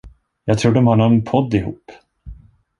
Jag tror de har nån podd ihop.